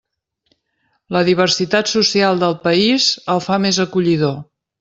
La diversitat social del país el fa més acollidor.